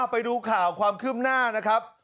ไปดูข่าวความคืบหน้านะครับ